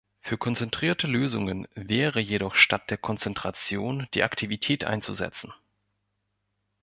Für konzentrierte Lösungen wäre jedoch statt der Konzentration die Aktivität einzusetzen.